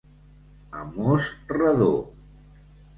A mos redó.